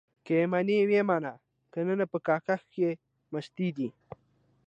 که يې منې ويې منه؛ که نه په کاکښه کې مستې دي.